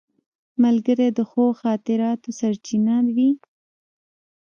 ملګری د ښو خاطرو سرچینه وي